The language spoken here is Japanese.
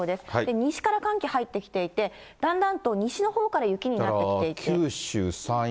西から寒気入ってきていて、だんだんと西のほうから雪になってきていて。